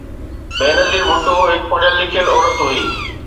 بينظير ڀٽو هڪ پڙهيل لکيل عورت هئي.